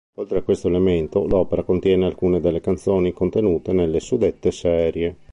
Oltre a questo elemento l'opera contiene alcune delle canzoni contenute nelle suddette serie.